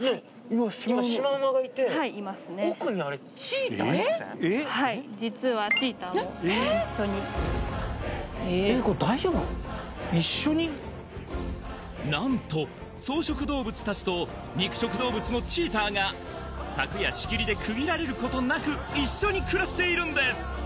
今シマウマはい何と草食動物たちと肉食動物のチーターが柵や仕切りで区切られることなく一緒に暮らしているんです！